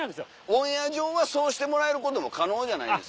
オンエア上はそうしてもらえることも可能じゃないですか。